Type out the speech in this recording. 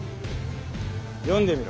読んでみろ。